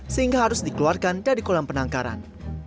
sehingga harus dikeluarkan dari kolam penangkaran